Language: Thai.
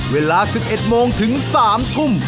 เวลา๑๑โมงถึง๓ทุ่ม